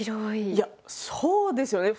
いやそうですよね。